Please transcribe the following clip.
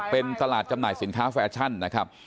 เป็นตลาดจำหน่ายสินค้าแฟชั่นนะครับ